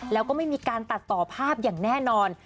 แล้วก็ไม่มีการตัดต่อภาพอย่างแน่นอน